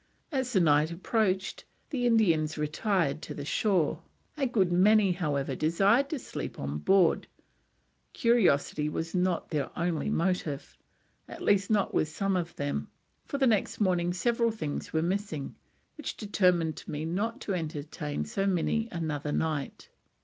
As the night approached, the Indians retired to the shore, a good [many] however desired to sleep on board, curiosity was not their only motive, at least not with some of them, for the next morning several things were missing, which determined me not to entertain so many another night.